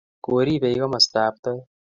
koribei kamostab toek